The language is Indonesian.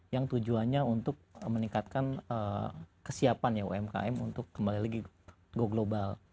yang tujuannya untuk meningkatkan kesiapan ya umkm untuk kembali lagi go global